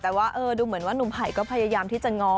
แต่ว่าดูเหมือนว่านุ่มไผ่ก็พยายามที่จะง้อ